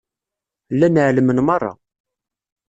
Llan ɛelmen merra.